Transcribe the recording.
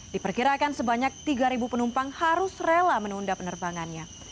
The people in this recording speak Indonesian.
diperkirakan sebanyak tiga penumpang harus rela menunda penerbangannya